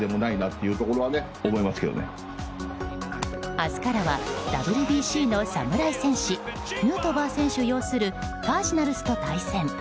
明日からはＷＢＣの侍戦士ヌートバー選手擁するカージナルスと対戦。